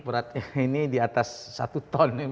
beratnya ini di atas satu ton